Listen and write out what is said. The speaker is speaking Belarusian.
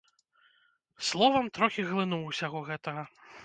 Словам, трохі глынуў усяго гэтага.